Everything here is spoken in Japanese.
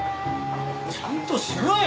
ちゃんとしろよ！